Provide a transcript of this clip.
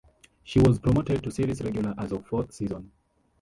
She was promoted to series regular as of fourth season.